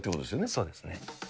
そうですね。